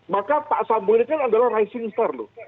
maka pak sambo ini kan adalah rising star loh